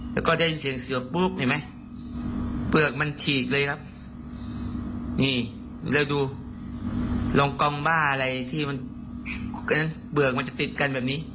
แล้วก็ได้ยินเสียงเสือปุ๊บเห็นไหมเปลือกมันฉีกเลยครับนี่แล้วดูรองกองบ้าอะไรที่มันเปลือกมันจะติดกันแบบนี้